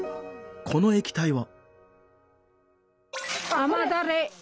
この液体は？